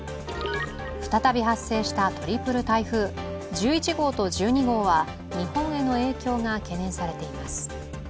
再び発生したトリプル台風、１１号と１２号は日本への影響が懸念されています。